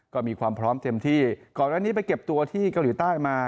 ก็มีความพร้อมเต็มที่ก่อนอันนี้ไปเก็บตัวที่เกาหลีใต้มา